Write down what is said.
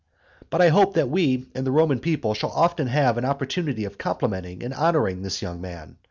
XVII. But I hope that we and the Roman people shall often have an opportunity of complimenting and honouring this young man.